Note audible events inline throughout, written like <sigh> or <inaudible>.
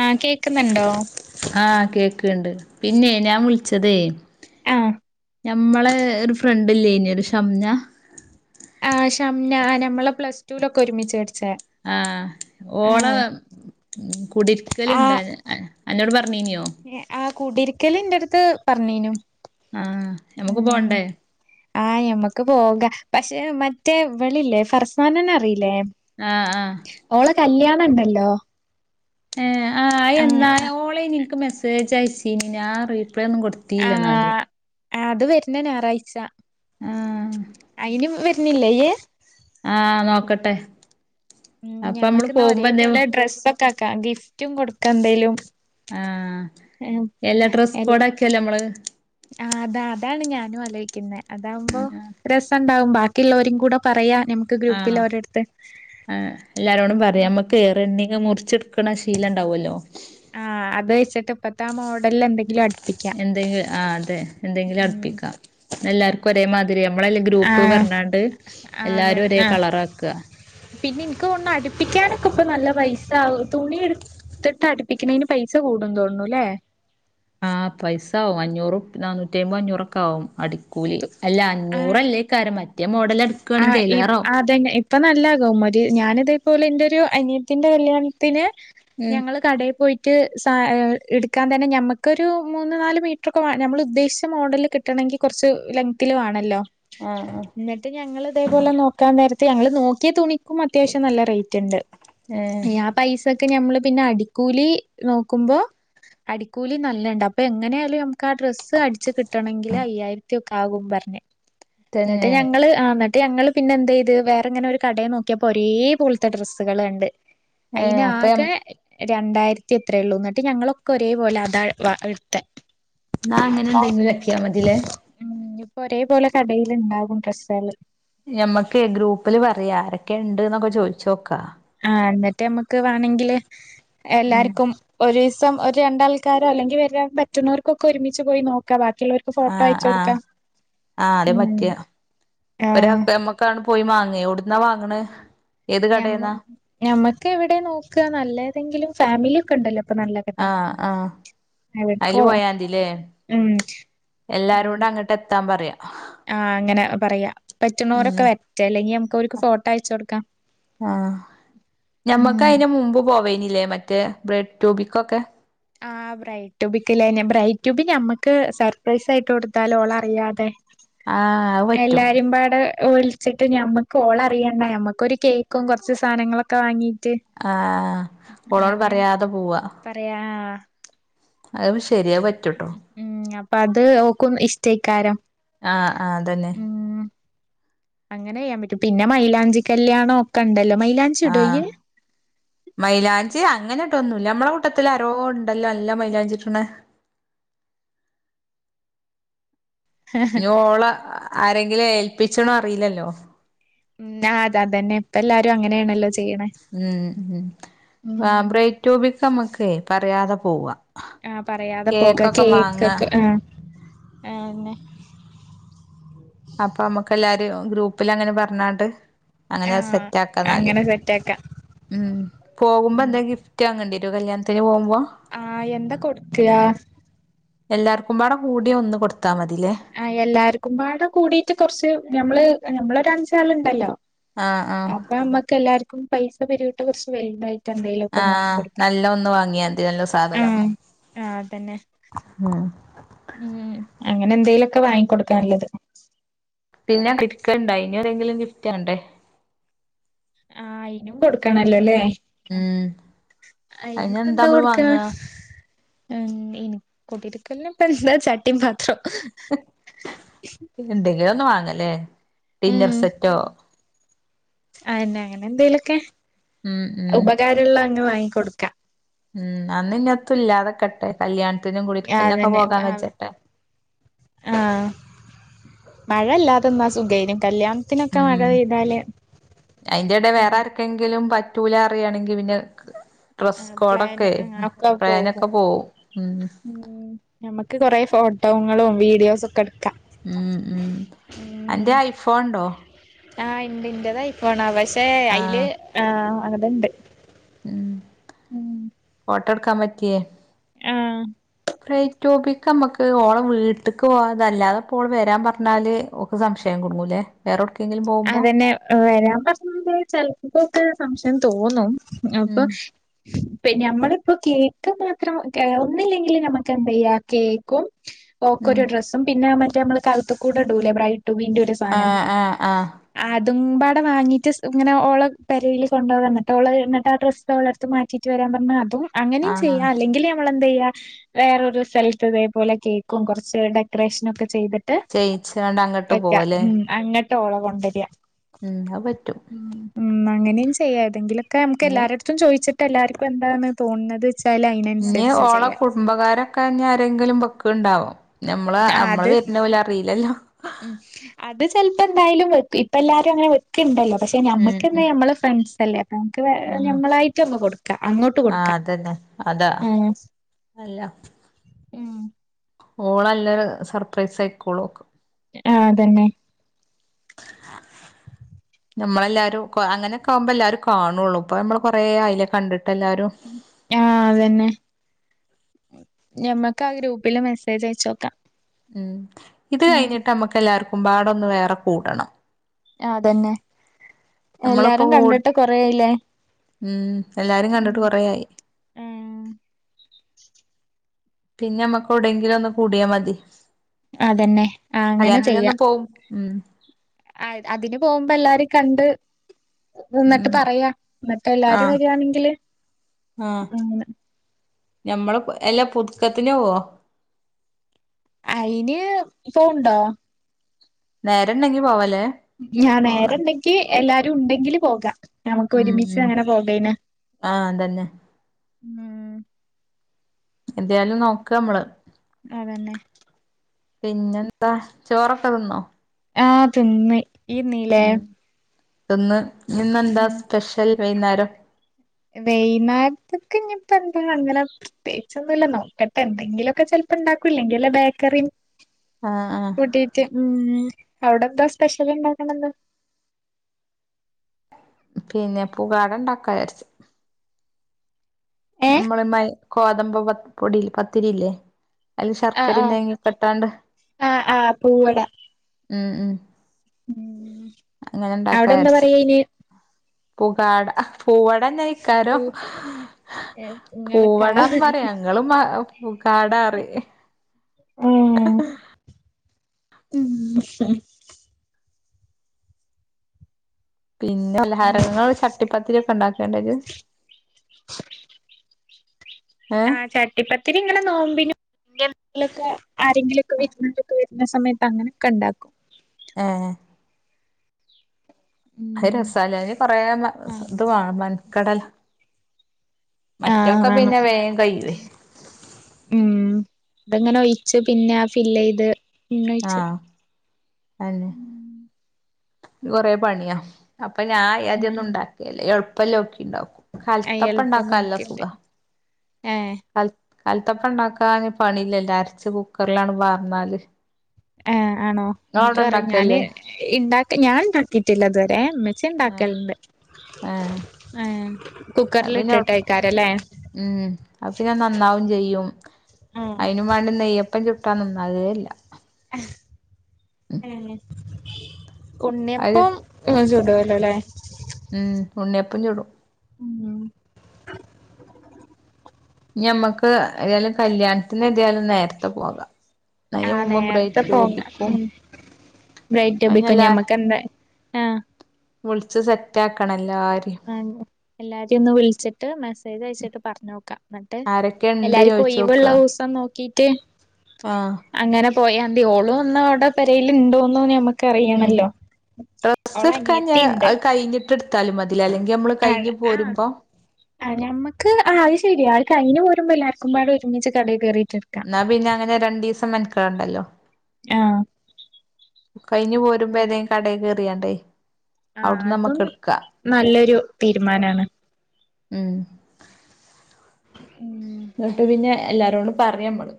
ആഹ് കേക്കുന്നുണ്ടോ ആഹ് കേക്ണ്ട് പിന്നെ ഞാൻ വിളിച്ചതെ ആഹ് ഞമ്മളെ ഒരു ഫ്രണ്ട്ല്ലേന് ഒരു ഷംന ഷംനാ ആഹ് ഞമ്മള പ്ലസ് ടൂലൊക്കെ ഒരുമിച്ച് പഠിച്ചാ ആഹ് ഓള് ആഹ് കുടിര്ക്കലിണ്ടാന് അന്നോട് പറഞ്ഞീഞ്യോ ആഹ് കുടിര്ക്കല്എന്റടുത്ത് പറഞ്ഞീനു ആഹ് നമുക്ക് ഉം പോണ്ടേ ആഹ് ഞമ്മക്ക് പോകാ പക്ഷെ മറ്റേ ഇവളില്ലേ ഫർസാനെന്ന അറിയില്ലേ ആഹ് ആഹ് ഓള കല്യാണണ്ടല്ലോ ഏഹ് ആഹ് എന്നാണ് ഓളെന്ന് എനിക്ക് മെസ്സേജ് അയച്ചീനി ഞാ റീപ്ലൈ ഒന്നും കൊടു ആഹ് അത് വരുന്ന ഞായറാഴ്ച ആഹ് അയിന് വ് ന്നില്ലേയ് ആഹ് നോക്കട്ടെ ഉം അപ്പൊ നമ്മള് ഞമ്മക്ക്ന്നാ പോകുമ്പോ എന്തേ ഒരേപോലെ ഡ്രസ്സൊക്കെ ആക്കാം ഗിഫ്റ്റും കൊടുക്കാൻ എന്തേലും ആഹ് എല്ലാ ഡ്രസ്സ് എല്ല കോഡ് ആക്ക്യാലോ ഞമ്മള് ആഹ് അതാ അതാണ് ഞാനും ആലോയിക്കുന്നേ അതാവുമ്പോ രസംണ്ടാവും ബാക്കിയിള്ളവരും കൂടെ പറയാ ഞമുക്ക് ഗ്രൂപ്പില് ആഹ് ഓരടുത്ത് ആഹ് എല്ലാരോടും പറയാം ഞമ്മക്ക് റെണ്ണിങ്ങ് മുറിച്ചെടുക്കണ ശീലംണ്ടാവോല്ലോ ആഹ് അത് വെച്ചിട്ട് ഇപ്പത്താ മോഡലിൽ എന്തെങ്കിലും അടുപ്പിക്കാം എന്തെങ്കി ആഹ് അതെ എന്തെങ്കിലും ഉം അടുപ്പിക്കാം എല്ലാർക്കും ഒരേ മാതിരി നമ്മളെല്ല ഗ്രൂപ്പ് ആഹ് പറഞ്ഞാണ്ട് അതെ എല്ലാരും ഒരേ ആഹ് കളറ് ആക്കാ പിന്നെ ഇനിക്ക് തോണ അടുപ്പിക്കാനൊക്കെ ഇപ്പ നല്ല പൈസാവു തുണി എടു ത്തട്ട് അടുപ്പിക്കണേന് പൈസ കൂടും തോൻണുല്ലേ ആഹ് പൈസ ആവും അഞ്ഞൂറ് നാനൂറ്റി അയ്മ്പത് അഞ്ഞൂറ് ഒക്കെ ആവും അടി കൂലി അല്ല അഞ്ഞൂറല്ലേക്കാരം മറ്റേ മോഡലടു, ആഹ്ഇപ് ആത് ഇതെന്നെ ഇപ്പം നല്ലാകും മര് ഞാനിതേപോലെ എന്റൊരു അനിയത്തിന്റെ കല്യാണത്തിന് ഉം ഞങ്ങള് കടേ പോയി ട്ട് സ ഏഹ് എടുക്കാൻ തന്നെ നമ്മക്കൊരു മൂന്ന് നാല് മീറ്ററൊക്കെ വേ ഞമ്മള് ഉദ്ദേശിച്ച മോഡല് കി ട്ടണെങ്കി കുറച്ച് ലെങ്ത്തില് വേണല്ലോ ആഹ് ആഹ് ന്നട്ട് ഞങ്ങള് ഇതേപോലെ നോക്കാൻ നേരത്ത് ഞങ്ങള് നോക്കിയ തുണി ക്കും അത്യാവശ്യം നല്ല റേറ്റ്ണ്ട് ഏഹ് <unintelligible> പൈസക്ക് ഞമ്മള് പിന്നെ അടിക്കൂലി നോക്കുമ്പോ അടിക്കൂലി നല്ലണ്ട് അപ്പൊ എങ്ങനെയായാലും നമുക്ക് ആ ഡ്രസ്സ് അടിച്ച് കിട്ടണെങ്കില് അയ്യായിരത്തിയൊക്കെ ആകും പറഞ്ഞ് ന്നട്ട് തന്നെ ഞങ്ങള് ആഹ് ന്നട്ട് ഞങ്ങള് പിന്നെ എന്ത്യ്ത് വേറെങ്ങനെ ഒരു കടേ നോക്കിയപ്പോ ഒരേ പോൽത്തെ ഡ്രസ്സുകള് കണ്ട്. ഏഹ് അപ്പ അയിനാകെ രണ്ടായിരത്തി എത്രയള്ളൂ ഇന്നിട്ട് ഞങ്ങളൊക്കെ ഒരേ പോലെ അതാ വ എടുത്തെ എന്നാ അങ്ങനെ എന്തെങ്കിലും ആക്കിയാ മതില്ലേ ഉം ഞ്ഞിപ്പൊ ഒരേപോലെ കടേലുണ്ടാകും ഡ്രെസ്സേള്. ഞമ്മക്ക് ഗ്രൂപ്പില് പറയാ ആരൊക്കെണ്ട് ന്നൊക്കെ ചോയ്ച്ചോക്കാ ആ ന്നിട്ട് നമ്മക്ക് വേണെങ്കില് ഉം എല്ലാർക്കും ഒരു ദിവസം ഒരു രണ്ടാൾക്കാരോ അല്ലെങ്കിൽ വരാൻ പറ്റുന്നവർക്കൊക്കെ ഒരുമിച്ച് പോയി നോക്കാ ബാക്കിയുള്ളോര് ആ ആ ആ അത് പറ്റ ഉം ആഹ് ഒരാക്ക് ഞ്ഞമ്മക്ക് ക്കാണ് പോയി മാങ്ങെ എവ്ട്ന്നാ വാങ്ങണ് ഏത് ഞമ്മ കടേന്നാ ഞമ്മക്ക് എവിടെ നോക്ക നല്ല ഏതെങ്കിലും ഫാമിലി ഒക്കെ ഉണ്ടല്ലോ അപ്പൊ നല്ല കെട്ടാ ആഹ് ആഹ് അയില് എവിട്ക്കോ പോയാതില്ലേ ഉം എല്ലാരോണ്ട് അങ്ങട്ട് എത്താൻ പറയാ ആ അങ്ങനെ പറയാ ഉം പറ്റുണോരൊക്കെ വരറ്റെ അല്ലെങ്കി നമുക്ക് ഓർക്ക് ഫോട്ടോ അയച്ചു കൊടുക്കാം ആഹ് ഞമ്മക്ക് ഉം അതിന് മുമ്പ് പോവേയ്നില്ലേ മറ്റേ ബ്രെഡ് ട്യൂബിക്കൊക്കെ ആ ബ്രൈഡ് ടൂബിക്കില്ലെ ബ്രൈഡ് ടൂബി ഞമ്മക്ക് സർപ്രൈസ് ആയിട്ട് കൊടുത്താലൊ ഓളറിയാതെ ആഹ് അത് പറ്റും എല്ലാരിംപാടെ വിളിച്ചിട്ട് ഞമ്മക്ക് ഓൾ അറിയാണ്ടെ ഞമ്മക്കൊരു കേക്കും കുറച്ച് സാധനങ്ങളൊക്കെ വാങ്ങീറ്റ് ആ ഓളോട് പറയാതെ പോവാ പറയാ ആ ആ ആ അവും ശെരിയാ അത് പറ്റൂട്ടോ ഉം അപ്പൊ അത് ഓക്കും ഇഷ്ടേക്കാരം ആ ആ അതന്നെ അങ്ങനെയ്യാൻ പറ്റും പിന്നെ മൈലാഞ്ചി കല്യാണോ ഒക്കെ ഉണ്ടല്ലോ മലാഞ്ചി ആഹ് മൈലാഞ്ചി അങ്ങനെ ഇടൊന്നുല്ല നമ്മളെ കൂട്ടത്തിൽ അരോ ഉണ്ടല്ലോ നല്ല മൈലാഞ്ചിടണെ ഇനി ഓളെ ആരെങ്കിലും ഏൽപ്പിച്ച്ണൊ അറിയില്ലല്ലോ ഉം അത അതന്നെ ഇപ്പ എല്ലാരും അങ്ങനെയാണല്ലോ ചെയ്യണെ ഉം ഉം ഉം ബ്രൈറ്റ് ടൂബിക്ക് അമ്മക്കേ പറയാതെ പോവ ആ പറയാതെ പോക കേക്ക് ഒക്കെ ആ ആഅന്നെ അപ്പൊ മ്മക്ക് എല്ലാരും ഗ്രൂപ്പില് അങ്ങനെ പറഞ്ഞാണ്ട് അങ്ങനെ ആഹ് സെറ്റ് ആക്കാ എന്നാല് അങ്ങനെ സെറ്റാക്കാം ഉം പോകുമ്പോ ഉം എന്താ ഗിഫ്റ്റ് വാങ്ങേണ്ടി വരൊ കല്യാണത്തിന് പോവുമ്പോ ആ എന്താ കൊട്ക്കാ എല്ലാർക്കുമ്പാടെ കൂടി ഒന്ന് കൊടുത്താ മതീലേ ആ എല്ലാര്ക്കുമ്പാടെ കൂടീട്ട് കൊറച്ച് ഞമ്മള് ഞമ്മളൊരഞ്ചാള്ണ്ടല്ലോ ആഹ് ആഹ് ഞമ്മക്കെല്ലാര്ക്കും പൈസ പിരിവ്ട്ട് കൊറച്ച് വല്തായിട്ട് ആ നല്ല ഒന്ന് വാങ്ങിയാതി നല്ല സാധനം ആഹ് ആഹ് അതന്നെ ഉം ഉം അങ്ങനെന്തേലൊക്കെ വാങ്ങിക്കൊട്ക്കാ നല്ലത് പിന്നേ <unintelligible> അയിന് ആരേങ്കിലും ഗിഫ്റ്റ് വാണ്ടേ ആഹ അയിനും കൊടുക്കണല്ലൊലേ ഉം അയിന് എന്താ അയ്ന്പ്പെന്താ നമ്മള് കൊട്ക്കാ വാങ്ങാ ഏ ഇനി കുടിരിക്കലിന്പ്പെന്താ ചട്ടിം പാത്രോ എന്തെങ്കിലൊന്ന് വാങ്ങല്ലേ ഉം ഡിന്നർസെറ്റോ അയന്നെ അങ്ങനെന്തേലൊക്കെ ഉം ഉം ഉപകാരള്ള അങ്ങ് വാങ്ങികൊട്ക്കാ ഉം അന്ന് ഇന്നത്തുല്ലാതെക്കട്ടേ കല്ല്യാണത്തിനും കുടിരിക്കലിനൊക്കെ പോകാൻ കെജ്ജട്ടേ ആ മഴല്ലാതന്നാ സുഖേയ്ന് കല്ല്യാണ ത്തിനൊക്കെ മഴ ഉം പെയ്താല് ഞമ ക്കെങ്കിലും പറ്റൂലാ അറിയാണെങ്കി പിന്നേ ഡ്രസ്സ് പ്ലാന് കോഡൊക്കേ ഒക്കെ പ്ലേനൊക്കെ പോകും പോവും ഉം ഉം ഞമ്മക്ക് കൊറേ ഫോട്ടോങ്ങളും വീഡിയോസൊക്കെട്ക്കാ ഉം ഉം അന്റെ ഐഫോൺ ണ്ടോ ആഹ് ഇണ്ട് ഇന്റെതയ് ഫോണാ പക്ഷേ അയില് ആഹ് ആ അങ്ങത്ണ്ട് ഉം ഫോട്ടെട്ക്കാൻ പറ്റിയേ ആഹ് ബ്രൈഡ്ടുബിക്ക് അമ്മക്ക് ഓളെ വീട്ട്ക്ക് പോവാതെ അല്ലാതെപ്പോള് വരാൻ പറഞ്ഞാല് ഒ സംശയം കൊടുങ്ങൂല്ലേ വേറെവ്ട്ക്കേങ്കിലും പോവുമ്പോ അതന്നെ വരാൻ പറഞ്ഞാല് ചെല്പ്പപ്പോൾക്ക് സംശയം തോന്നും അപ്പൊ ഉം പിന്നെ അമ്മള്പ്പോ കേക്ക് മാത്രം ഏ ഒന്നില്ലെങ്കില് നമക്ക് എന്തെയ്യാ കേക്കും ഉം ഓക്കൊരു ഡ്രസ്സും പിന്നെ മറ്റേ അമ്മള് കഴ്ത്ത്ക്കൂടെ ഇടൂലേ ബ്രൈഡ്ടുബിന്റൊര് ആഹ് ആഹ് ആഹ് അതുംമ്പാടെ വാങ്ങീട്ട് സ് ഇങ്ങനെ ഓളെ പെരേല് കൊണ്ടവാ ന്നിട്ട് ഓളെ എന്ന്ട്ട് ആ ഡ്രെസ് ഓളെര്ത്ത് മാറ്റീട്ട് വരാൻ പറഞ്ഞാ അതും അങ്ങനിം ചെയ്യാ ആഹ് അല്ലെങ്കില് ഞമ്മളെന്ത്യ്യാ വേറൊരു സ്ഥലത്ത് ഇതേപോലെ കേക്കും കൊറച്ച് ഡെക്കറേഷ്നൊക്കെ ചെയ്ത് ട്ട് ചെയ്യിച്ചാണ്ട് അങ്ങട്ട് വെക്ക പോവല്ലേ ഉം അങ്ങട്ട് ഓളെ കൊണ്ടരാ ഉം അഹ്പറ്റും ഉം ഉം അങ്ങനിം ചെയ്യാ ഏതെങ്കിലൊക്കേ നമുക്ക് ഇഞ്ഞ് എല്ലാരടത്തും ചോയിച്ചിട്ട് എല്ലാര്ക്കും എന്താണ് തോണ്ത്ച്ചാല് ഇഞ്ഞ് ഓളെ കുടുംബകാരൊക്കെ ഞ്ഞ് ആരെങ്കിലും വെക്ക്ണ്ടാവോ ഞമ്മ്ളേ ഞമ്മള് അത് വര്ന്ന ഓല് അറീലല്ലോ ഉം അത് ചെല് പ്പോ ന്തായാലും വെക്കും ഇപ്പ എല്ലാരും അങ്ങനെ വെ ക്ക്ണ്ടല്ലോ പക്ഷേ ഉം ഞമ്മക്കെന്താ ഉം ഞമ്മളെ ഫ്രണ്ട്സല്ലേ നമുക്ക് വേ ആഹ് ഞമ്മളായിട്ട് ഒന്ന് കൊട്ക്കാ അങ്ങോട്ട് ആഹ് കൊട്ക്കാ ഉം നല്ലാ ഉം ഓളല്ലര് സർപ്രൈസ് ആയിക്കോളൂ ഓക്ക് ആഹ് അതന്നെ <unintelligible> ഞമ്മളെല്ലാരും കൊ അങ്ങനെക്കാവുമ്പോ എല്ലാരും കാണൊള്ളൂ ഇപ്പോ ഞമ്മള് കൊറേ ആയിലേ കണ്ടിട്ട് എല്ലാരും ആഹ് അതന്നെ ഞമ്മക്ക് ആ ഗ്രൂപ്പില് മെസ്സേജ് അയച്ചോക്കാ ഉം ഇത് കഴിഞ്ഞിട്ട് നമ്മുക്ക് എല്ലാവർക്കും പാടൊന്ന് വേറെ കൂടണം. അതന്നെ നമ്മളിപ്പോ എല്ലാരും കൂട് കണ്ടിട്ട് കൊറേ ആയില്ലേ? ഉം എല്ലാരും കണ്ടിട്ട് കൊറേയായി. ആഹ് പിന്നെ ഞമ്മക്കെ വിടെങ്കിലും ഒന്ന് കൂടിയാൽ മതി. അതന്നെ ആഹ് അങ്ങനെ കല്യാണത്തിന്റെന്നും പോകും ഉം ആ അതിന് പോകുമ്പോ എല്ലാ രിം കണ്ട്. ഉ ഇന്നിട്ട് ഉം പറയാ ന്നിട്ട് എല്ലാരും ആഹ് വരാണെങ്കില് ആഹ് അങ്ങനെ ഞമ്മള് എല്ലാ പുതുക്കത്തിന് പോവോ? അയിന് ഇ പോവ്ണ്ടോ? നേരണ്ടെങ്കി പോവല്ലേ? ഞാൻ ഓള നേരെണ്ടെങ്കി എല്ലാരും ഉണ്ടെങ്കില് പോകാം ഞമക്ക് ഒരുമിച്ച് അങ്ങനെ പോകേനെ. ആഹ തന്നെ. ഉം എന്തായാലും നോക്ക നമ്മള്. അതന്നെ. പിന്നെന്താ? ചോറൊക്കെ തിന്നോ? ആ തിന്ന് ഇയ്യിന്നീലേ? ഇന്ന് എന്താ സ്പെഷ്യൽ വൈന്നേരം. വെയ്ന്നാര ത്ത് ക്ക് പിന്നെ അങ്ങനെ. പ്രത്യേകിച്ചൊന്നുല്ല നോക്കട്ടെ എന്തെങ്കിലും മൊക്കെ ചെലപ്പ ഇണ്ടാക്കൂല്ലെങ്കിൽ ബേക്കറി. ആഹ ആ കൂട്ടീട്ട് ഉം അവിടെ എന്താ സ്പെഷ്യല് ഉണ്ടാക്കണെന്ന്? പിന്നെ പുകാട ഇണ്ടാക്കാ വിചാരിച്ച്. ഏഹ് നമ്മള മയ് ഗോതമ്പപൊടി പത്തിരി ഇല്ലേ? അയില് ആഹ് ശർക്കരയും ആഹ് തേങ്ങൊ കെ ഇട്ടാണ്ട് ആഹ് ആഹ് പൂവട ഉം ഉ ഉം അങ്ങനെ ഇണ്ടാക്ക അവിടെ എന്താ വിചാരിച്ച് പറയയിന് പുകാട പൂവട. കാ പൂ രും ഏഹ് ഇങ്ങള് കാ പൂവടാന്ന് പറീണെ പറയാണ്. ഞങ്ങള് പുകാട പറയും. ആഹ ഉഉം പിന്നെ പലഹാരങ്ങൾ ചട്ടിപ്പത്തിരി ഒക്കെ ഉണ്ടാക്കലി ണ്ടോ? ആ ഏഹ് ചട്ടിപ്പത്തിരി ഇങ്ങനെ നോമ്പി <unintelligible> ആരെങ്കിലൊക്കെ വിരുന്നാരൊക്കെ. സമയത്ത് അങ്ങനെക്കെ ഉണ്ടാക്കും. ആഹ് - അത് ഉം രസാലെ കൊറെ ഇത് വാണം മണിക്കടല. ആഹ് മറ്റൊക്കെ വേണം പിന്നെ വേഗം കയ്യൊയ്. ഉം അതങ്ങനെ ഒഴിച്ച് പിന്നെ ആ ഫില് ചെയ്ത് പിന്നെ ഒഴിച്ച്. അതന്നെ. ഇ ത് കൊറെ പണിയാ അപ്പൊ ഞാൻ അദൊന്നും ഉണ്ടാക്കിയേല്ല എളുപ്പല്ല ഒക്കെ ഉണ്ടാക്കും. എളുപ്പം കൽത്തപ്പണ്ടാക്കാനല്ല സുഖ. നോക്കിട്ട് ഏഹ് കല്ത്തപ്പ ണ്ടാക്കാ പണിയില്ല ലോ അരച്ച് കുക്കറിലാണ് പാർന്നാല്. എ ആണോ എനിക്ക് ഇങ്ങളവിടെ പറ ഞാൻ ഇണ്ടാക്കലില്ലേ ഇണ്ടാക്ക ഞാൻ ഇണ്ടാക്കിട്ടില്ല ഇതുവരെ. ചിണ്ടാക്കലുണ്ട്. ആഹ ഏ പിന്നെ ഉം അ പിന്നെ നന്നാവും ചെയ്യും ആഹ് അതിനും. വാണ്ടി നെയ്യപ്പം ചുട്ടാ നന്നാവേയില്ല. അത് കുണ്ണിയപ്പം ആ ചൂടുല്ലോ അല്ലേ ഉം ഉണ്ണിയപ്പം ചൂടും ഉം... ഇനി ഞമ്മക്ക് ഏതായാലും കല്യാണത്തിന് ഏതായാലും നേരത്തെ പോകാം നഞ ആഹ് മുമ്പ് നേരത്തെ <unintelligible> ബ്രൈറ്റും അയിനെല്ലാ ഞമ്മക്ക ആഹ് വള <inaudible> ജ് സെറ്റ് ആക്കണം എല്ലാരെയും ആ എല്ലാരെയും ഒന്ന് വിളിച്ചിട്ട് മെസ്സേജ് അയച്ചിട്ട് പറഞ്ഞോക്കാം എന്നിട്ട്. ആരൊക്കെ ഇണ്ട് എല്ലാർക്കും ഒയിവ്ള്ള ദിവസം നോക്കീട്ട്. ആഹ അങ്ങനെ പോയാതിയോളും ഒന്ന് അവിടെ പെരേൽ ഉണ്ടോന്ന് നമക്ക്. ഉം അറിയണല്ലോ അവള അനിയത്തി ഉണ്ട് റ്റടുത്താലും മതി അല്ലെങ്കിൽ നമ്മള്- ആ കഴിഞ്ഞ് ആഹ്! പോരുമ്പോ ആ ഞമക്ക് ആ അത് ശരി ആ കഴിഞ്ഞ് പോരുമ്പോല്ലേ എല്ലാർക്കുമ്പോ ആട ഒരുമിച്ച് കടയിൽ കയറിയിട്ടണ്ട് എന്നാ പിന്നെ അങ്ങനെ രണ്ടു ദിവസം മെനക്കടണ്ടല്ലോ ആഹ് കഴിഞ്ഞ് പോരുമ്പോ ഏതെങ്കിലും കടയി കയറിയാണ്ടേ ആഹ്! അതും നല്ലൊരു തീരുമാനമാണ് ഉം... ഉം.. എന്നിട്ട് പിന്നെ എല്ലാരോടും പറയും നമ്മള്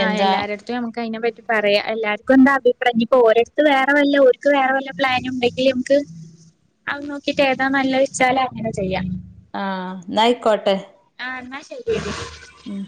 ആഹ് എന്താ എല്ലാരുടത്തും നമുക്ക് അതിനെ പറ്റി പറയാം എല്ലാവർക്കും എന്താ അഭിപ്രായം ഇപ്പൊ ഓരോരുത്ത് വേറെ വല്ല ഓർക്ക് വേറെ വല്ല പ്ലാന് ഉണ്ടെങ്കിലും- ക്ക് അത് നോക്കിട്ട് ഏതാ നല്ലത് വെച്ചാല് അങ്ങനെ ചെയ്യാം ആഹ് എന്നാ ആയിക്കോട്ടെ ആഹ് എന്നാ ശരി എടി ഉം